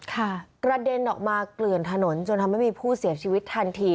กระเด็นออกมาเกลื่อนถนนจนทำให้มีผู้เสียชีวิตทันที